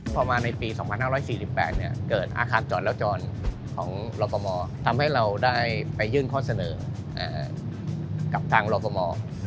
พอมาในปี๒๕๔๘เกิดอาคารจอดแล้วจรของรฟมทำให้เราได้ไปยื่นข้อเสนอกับทางรฟม